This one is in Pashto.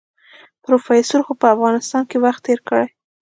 پروفيسر خو په افغانستان کې وخت تېر کړی.